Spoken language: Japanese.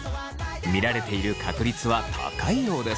見られている確率は高いようです。